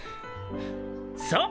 そう。